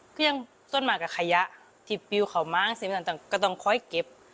ก็ยังต้นหมากกับขยะที่ปิวเขาม้างสิ่งต่างก็ต้องคอยเก็บ